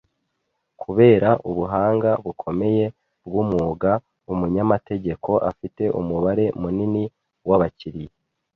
Kubera ubuhanga bukomeye bw'umwuga, umunyamategeko afite umubare munini w'abakiriya.